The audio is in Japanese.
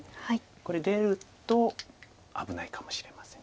これ出ると危ないかもしれません。